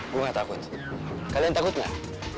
gue nggak takut kalian takut nggak